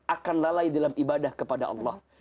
akan lalai dalam ibadah kepada allah